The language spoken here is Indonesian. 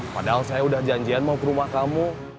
padahal saya udah janjian mau ke rumah kamu